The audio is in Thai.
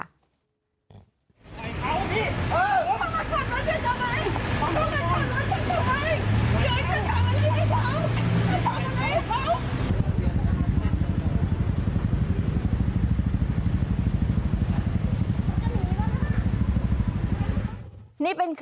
มันก็หนีแล้วนะคะ